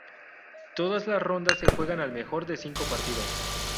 Todas las rondas se juegan al mejor de cinco partidos.